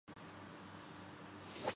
اس لیے اُسے کام سے نکالنا پڑا ہے